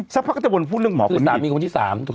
สักพักก็เจ้าวนพูดเรื่องหมอนี้อีก